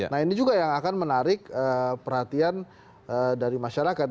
nah ini juga yang akan menarik perhatian dari masyarakat